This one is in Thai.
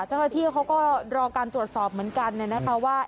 เท่าที่เขาก็รอการตรวจสอบเหมือนกันเนี่ยนะคะว่า